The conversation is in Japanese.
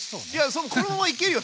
そうこのままいけるよ